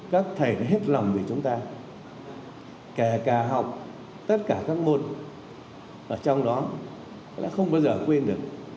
các thầy hết lòng vì chúng ta kể cả học tất cả các môn trong đó đã không bao giờ quên được